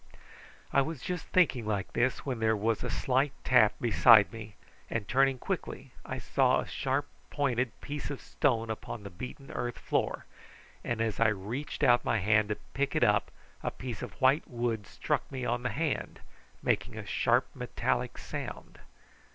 I was just thinking like this when there was a slight tap close by me, and turning quickly I saw a sharp pointed piece of stone upon the beaten earth floor, and as I reached out my hand to pick it up a piece of white wood struck me on the hand, making a sharp metallic sound.